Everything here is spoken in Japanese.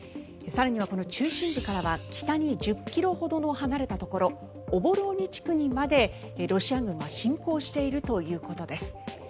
更には、この中心部から北に１０ｋｍほど離れたところオボローニ地区にまでロシア軍は侵攻しているということです。